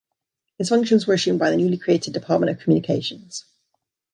Its functions were assumed by the newly created Department of Communications.